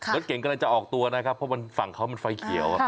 รถเก่งกำลังจะออกตัวนะครับเพราะฝั่งเขามันไฟเขียว